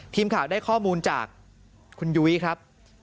ทีมข่าวได้ข้อมูลจากคุณยุ้ยครับ